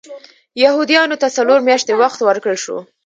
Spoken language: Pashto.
یهودیانو ته څلور میاشتې وخت ورکړل شو.